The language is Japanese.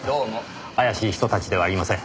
怪しい人たちではありません。